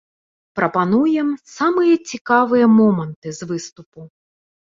Прапануем самыя цікавыя моманты з выступу.